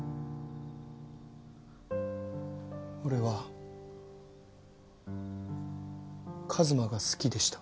俺は和馬が好きでした。